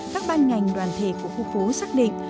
các ban ngành đoàn thể của khu phố xác định